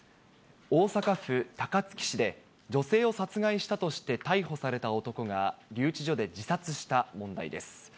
大阪府高槻市で、女性を殺害したとして逮捕された男が、留置所で自殺した問題です。